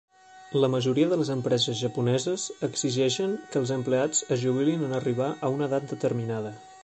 La majoria de les empreses japoneses exigeixen que els empleats es jubilin en arribar a una edat determinada.